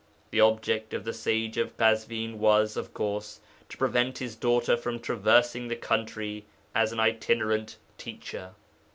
The object of the 'sage of Kazwin' was, of course, to prevent his daughter from traversing the country as an itinerant teacher.